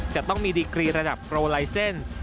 จะต้องมีดีกรีระดับโปรไลเซ็นซ์